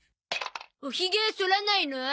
おひげそらないの？